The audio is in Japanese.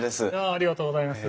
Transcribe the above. ありがとうございます。